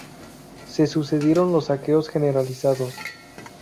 Se sucedieron los saqueos generalizados.